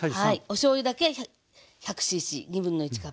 おしょうゆだけ１００ｃｃ1/2カップね。